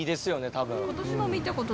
多分。